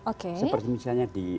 oke seperti misalnya di